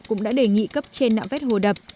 cũng đã đề nghị cấp trên nạo vét hồ đập